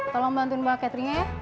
tolong bantuin pak kateringnya ya